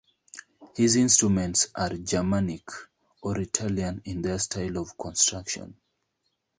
His instruments are Germanic or Italian in their style of construction.